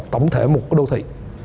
tổng thể của một đô thị